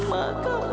maafkan aku ibu